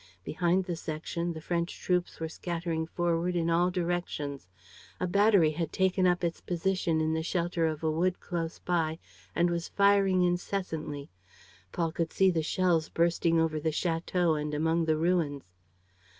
Behind the section, the French troops were scattering forward in all directions. A battery had taken up its position in the shelter of a wood close by and was firing incessantly. Paul could see the shells bursting over the château and among the ruins.